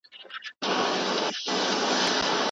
نن دي بیا سترګو کي رنګ د میکدو دی